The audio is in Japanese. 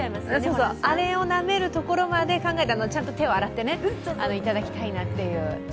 そうそう、あれをなめるところまで考えて、ちゃんと手を洗っていただきたいなと。